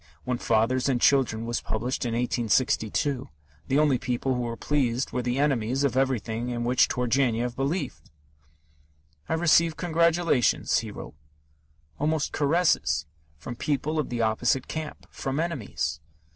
When Fathers and Children was published in 1862, the only people who were pleased were the enemies of everything in which Turgenev believed. "I received congratulations," he wrote, almost caresses, from people of the opposite camp, from enemies.